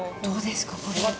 どうですか、これ。